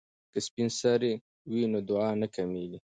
که سپین سرې وي نو دعا نه کمیږي.